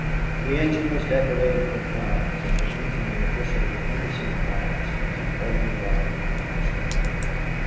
The engine was decorated with flags and the engineer whistled a piercing blast as he rolled out upon the structure.